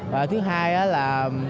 và thứ hai là